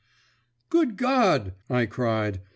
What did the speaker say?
"Good God!" I cried.